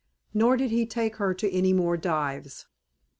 Nor did he take her to any more dives.